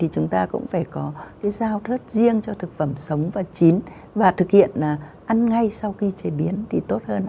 chúng ta cũng phải có cái giao thức riêng cho thực phẩm sống và chín và thực hiện là ăn ngay sau khi chế biến thì tốt hơn ạ